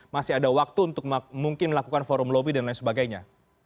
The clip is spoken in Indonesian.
masih ada waktu untuk mungkin melakukan forum lobby dan lain sebagainya